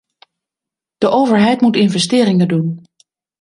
De overheid moet investeringen doen.